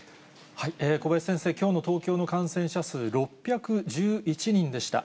小林先生、きょうの東京の感染者数６１１人でした。